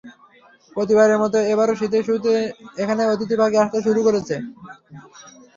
প্রতিবারের মতো এবারও শীতের শুরুতে এখানে অতিথি পাখি আসতে শুরু করেছে।